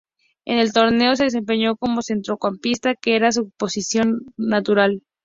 En el torneo se desempeñó como centrocampista, que era su posición natural.